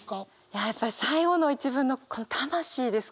やっぱり最後の一文の「魂」ですかね。